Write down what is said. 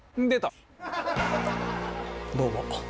どうも！